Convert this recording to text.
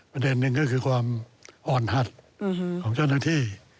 ประเด็นหนึ่งก็คือความอ่อนหัดของเจ้าหน้าที่